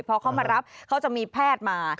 พอเขามารับเขาจะมีแพทย์มา